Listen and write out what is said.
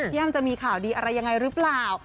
อ้ำจะมีข่าวดีอะไรยังไงหรือเปล่า